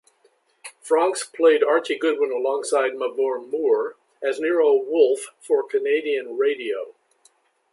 Francks played Archie Goodwin alongside Mavor Moore as Nero Wolfe for Canadian radio.